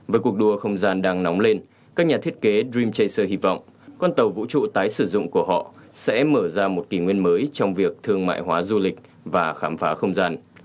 với cuộc đua không gian đang nóng lên các nhà thiết kế d dream trasser hy vọng con tàu vũ trụ tái sử dụng của họ sẽ mở ra một kỷ nguyên mới trong việc thương mại hóa du lịch và khám phá không gian